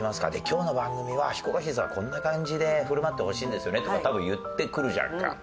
「今日の番組はヒコロヒーさんはこんな感じで振る舞ってほしいんですよね」とか多分言ってくるじゃんか。